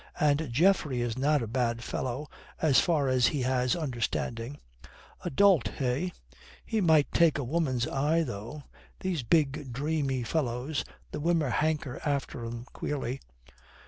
And Geoffrey is not a bad fellow as far as he has understanding." "A dolt, eh? He might take a woman's eye, though. These big dreamy fellows, the women hanker after them queerly.